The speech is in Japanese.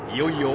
いい？